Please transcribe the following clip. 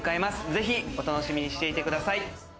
ぜひお楽しみにしていてください。